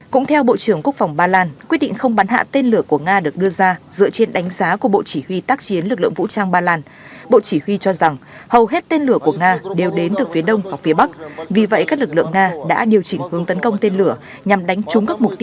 cũng theo bộ trưởng quốc phòng ba lan quyết định không bắn hạ tiên lửa của nga được đưa ra dựa trên đánh giá của bộ chỉ huy tác chiến lực lượng vũ trang ba lan bộ chỉ huy cho rằng hầu hết tiên lửa của nga đều đến từ phía đông hoặc phía bắc vì vậy các lực lượng nga đã điều chỉnh hướng tấn công tiên lửa nhằm đánh chúng các mục tiêu